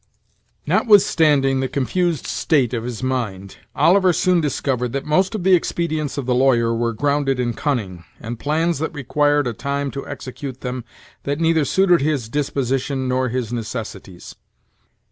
Notwithstanding the confused state of his mind, Oliver soon discovered that most of the expedients of the lawyer were grounded in cunning, and plans that required a time to execute them that neither suited his disposition nor his necessities.